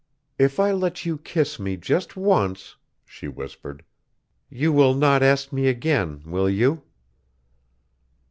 'If I let you kiss me just once,' she whispered, 'you will not ask me again will you?'